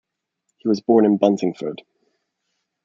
He was born in Buntingford.